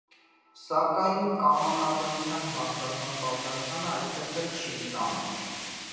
Սակայն կանոնադրության հաստատման պատասխանը այդպես էլ չի ստանում։